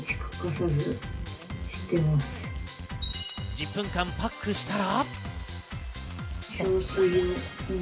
１０分間パックしたら。